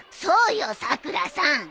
そうよさくらさん！